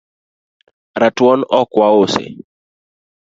Ratuon ok wausi